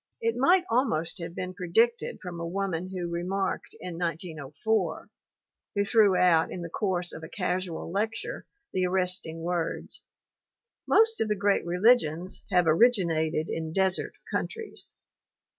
It might almost have been predicted from a woman who remarked in 1904, who threw out in the course of a casual lecture the arresting words: "Most of the great religions have originated in desert countries."